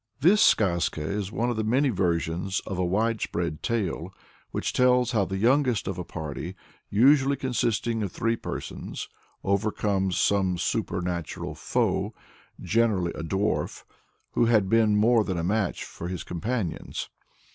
This Skazka is one of the many versions of a widespread tale, which tells how the youngest of a party, usually consisting of three persons, overcomes some supernatural foe, generally a dwarf, who had been more than a match for his companions.